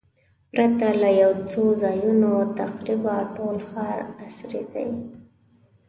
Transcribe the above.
پرته له یو څو ځایونو تقریباً ټول ښار عصري دی.